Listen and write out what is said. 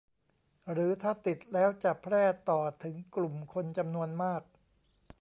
หรือถ้าติดแล้วจะแพร่ต่อถึงกลุ่มคนจำนวนมาก